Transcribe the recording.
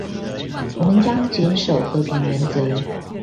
我們將謹守和平原則